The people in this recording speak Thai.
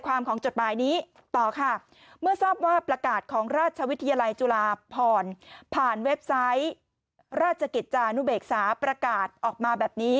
ก็ประกาศราชวิทยาลัยจุฬาพรผ่านเว็บไซต์ราชกิจจานุเบรกสาประกาศออกมาแบบนี้